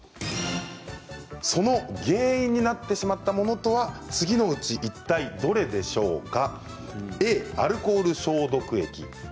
その原因となってしまったものとは次のうちいったいどれでしょうか？